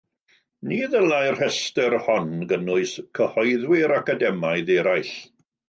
Ni ddylai'r rhestr hon gynnwys cyhoeddwyr academaidd eraill.